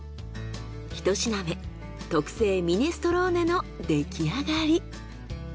ひと品目特製ミネストローネの出来上がり。